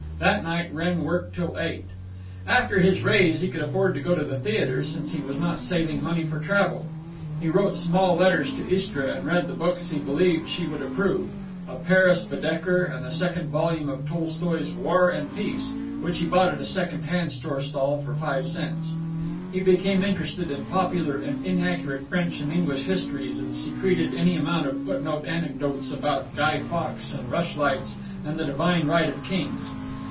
That night Wrenn worked till eight. After his raise he could afford to go to the theater, since he was not saving money for travel. He wrote small letters to Istra and read the books he believed she would approve—a Paris Baedeker and the second volume of Tolstoi's War and Peace, which he bought at a second hand book stall for five cents. He became interested in popular and inaccurate French and English histories, and secreted any amount of footnote anecdotes about Guy Fawkes and rush lights and the divine right of kings.